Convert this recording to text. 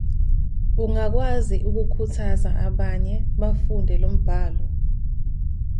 Ungakwazi ukukhuthaza abanye bafunde lo mbhalo?